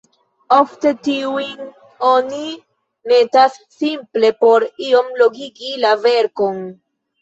Ofte tiujn oni metas simple por iom longigi la verkon.